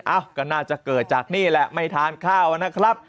ก็น่าจะเกิดจากนี่แหละไม่ทานข้าวนะครับ